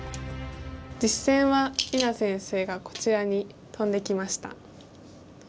実戦は里菜先生がこちらにトンできました。